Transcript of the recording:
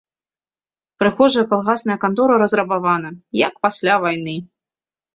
Прыгожая калгасная кантора разрабавана, як пасля вайны.